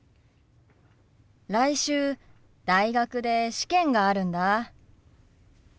来週大学で試験があるんだ。